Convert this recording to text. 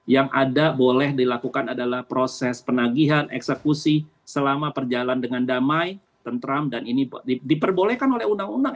yang ada boleh dilakukan adalah proses penagihan eksekusi selama perjalanan dengan damai tentram dan ini diperbolehkan oleh undang undang